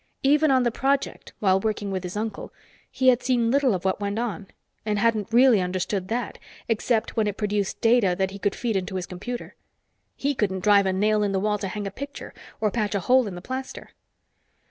Even on the project, while working with his uncle, he had seen little of what went on, and hadn't really understood that, except when it produced data that he could feed into his computer. He couldn't drive a nail in the wall to hang a picture or patch a hole in the plaster.